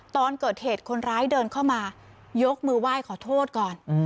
ตอนเกิดเหตุคนร้ายเดินเข้ามายกมือไหว้ขอโทษก่อน